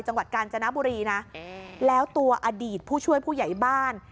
จังหวัดกาญจนบุรีนะแล้วตัวอดีตผู้ช่วยผู้ใหญ่บ้าน